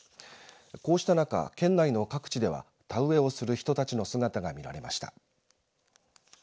こうした中、県内の各地では田植えをする人たちの姿が見られました。